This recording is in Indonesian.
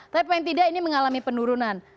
tapi paling tidak ini mengalami penurunan